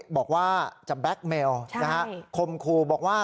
บอกว่าจะแบล็คเมลคมครูบอกว่า